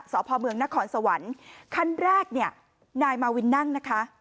สพเมืองนครสวรรค์คันแรกเนี่ยนายมาวินนั่งนะคะ